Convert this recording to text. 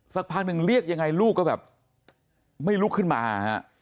สักพักหนึ่งเรียกยังไงลูกก็แบบไม่ลุกขึ้นมาฮะ